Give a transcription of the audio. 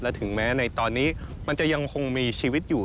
ถึงแม้ในตอนนี้มันจะยังคงมีชีวิตอยู่